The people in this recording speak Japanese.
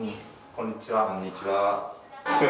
こんにちは。